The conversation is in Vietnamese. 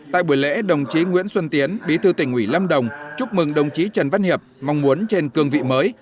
tại buổi lễ đồng chí nguyễn xuân tiến bí thư tỉnh ủy lâm đồng chúc mừng đồng chí trần văn hiệp mong muốn trên cương vị mới